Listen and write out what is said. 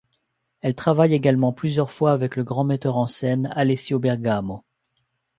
Elle travaille également plusieurs fois avec le grand metteur en scène italien Alessio Bergamo.